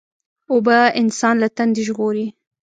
اوبه انسان له تندې ژغوري.